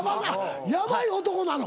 ヤバい男なの？